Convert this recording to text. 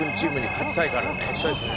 勝ちたいですね。